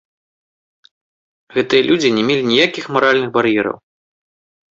Гэтыя людзі не мелі ніякіх маральных бар'ераў.